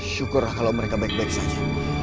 syukurlah kalau mereka baik baik saja